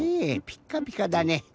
ピッカピカだね。